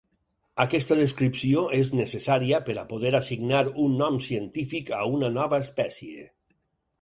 Aquesta descripció és necessària per a poder assignar un nom científic a una nova espècie.